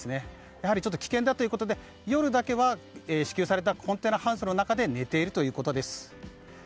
やはり危険だということで夜だけは支給されたコンテナハウスの中で寝ているということです。